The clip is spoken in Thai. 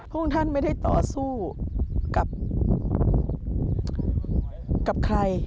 พวกท่านไม่ได้ต่อสู้กับใคร